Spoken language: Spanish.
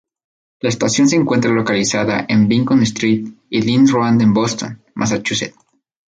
La estación se encuentra localizada en Beacon Street y Dean Road en Boston, Massachusetts.